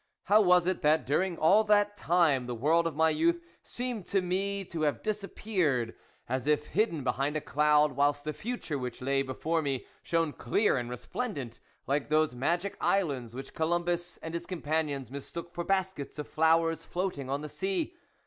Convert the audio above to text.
How was it that during all that time the world of my youth seemed to me to have disap peared, as if hidden behind a cloud, whilst the future which lay before me shone clear and resplendent, like those magic islands which Columbus and his com panions mistook for baskets of flowers floating on the sea